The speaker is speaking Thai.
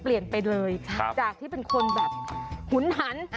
เปลี่ยนไปเลยจากที่เป็นคนแบบหุนหัน